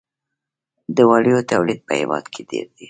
د وړیو تولید په هیواد کې ډیر دی